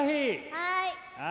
はい。